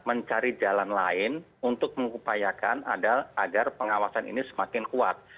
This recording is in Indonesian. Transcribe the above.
mencari jalan lain untuk mengupayakan agar pengawasan ini semakin kuat